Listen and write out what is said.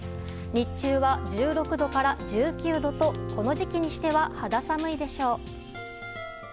日中は１６度から１９度とこの時期にしては肌寒いでしょう。